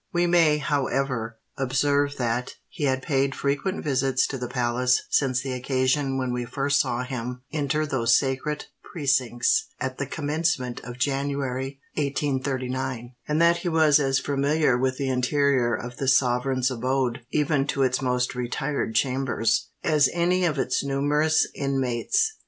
We may, however, observe that he had paid frequent visits to the palace since the occasion when we first saw him enter those sacred precincts at the commencement of January, 1839; and that he was as familiar with the interior of the sovereign's abode, even to its most retired chambers, as any of its numerous inmates.